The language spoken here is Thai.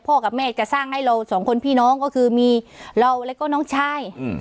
กับแม่จะสร้างให้เราสองคนพี่น้องก็คือมีเราแล้วก็น้องชายอืม